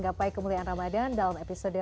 gapai kemuliaan ramadhan dalam episode